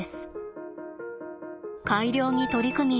改良に取り組み